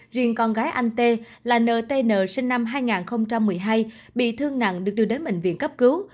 riêng con gái anh t là ntn sinh năm hai nghìn một mươi hai bị thương nặng được đưa đến bệnh viện cấp cứu